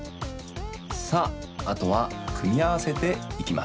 さああとはくみあわせていきます。